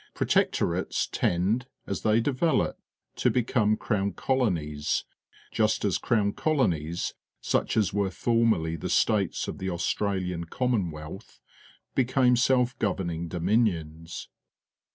Protecto rates tend, as they develop, to become Crown Cqloiiies, just as C rown Co lonies, such as were formerh' the states of the Austrahan Com monwealth, become self go\'enimg Domin ions.